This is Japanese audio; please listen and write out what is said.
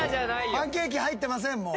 パンケーキ入ってませんもう。